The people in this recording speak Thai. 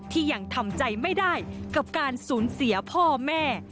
ที่ยังทำใจไม่ได้กับการสูญเสียพ่อแม่